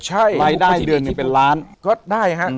ใช่รายได้เดือนหนึ่งเป็นล้านก็ได้ฮะ